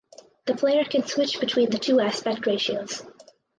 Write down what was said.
The player can switch between the two aspect ratios.